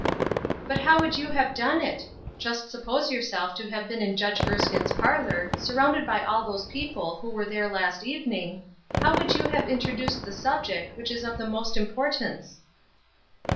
"But how would you have done it? Just Side issues. 86 suppose yourself to have been in Judge Erskine's parlor, surrounded by all those people who were there last evening, how would you have intro duced the subject which is of the most import ance?"